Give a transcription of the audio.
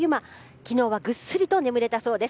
昨日はぐっすりと眠れたそうです。